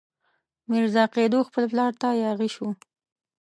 میرزا قیدو خپل پلار ته یاغي شو.